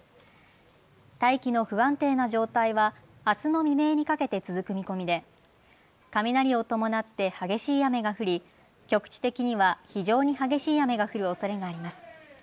大気の不安定な状態はあすの未明にかけて続く見込みで雷を伴って激しい雨が降り局地的には非常に激しい雨が降るおそれがあります。